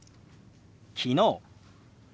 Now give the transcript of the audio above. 「昨日」。